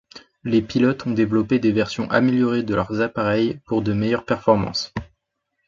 Les pilotes ont développé des versions améliorées de leur appareil pour de meilleures performances.